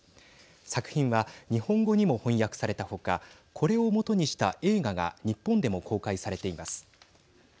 作品は日本語にも翻訳された他これを基にした映画が日本でも公開されています。